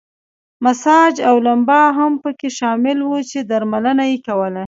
مساج او لمبا هم پکې شامل وو چې درملنه یې کوله.